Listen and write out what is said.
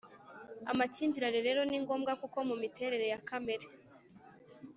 Amakimbirane rero ni ngombwa kuko mu miterere ya kamere